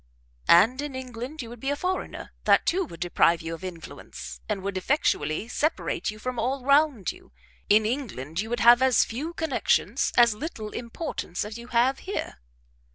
"And in England you would be a foreigner; that too would deprive you of influence, and would effectually separate you from all round you; in England you would have as few connections, as little importance as you have here."